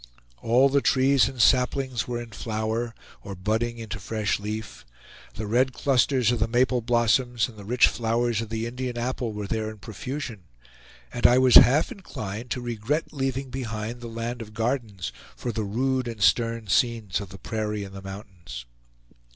All the trees and saplings were in flower, or budding into fresh leaf; the red clusters of the maple blossoms and the rich flowers of the Indian apple were there in profusion; and I was half inclined to regret leaving behind the land of gardens for the rude and stern scenes of the prairie and the mountains.